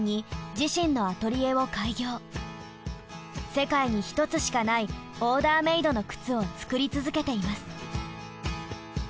世界に１つしかないオーダーメイドの靴を作り続けています。